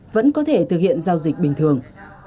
vẫn có thể thực hiện giao dịch bình thường